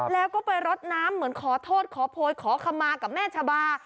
แล้วก็ไปรดน้ำเหมือนขอโทษขอโพยขอคำมากับแม่ชะบา